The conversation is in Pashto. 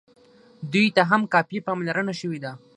دوی ته هم کافي پاملرنه شوې ده.